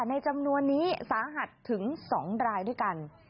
ในจำนวนนี้สาหัสถึง๒รายด้วยกัน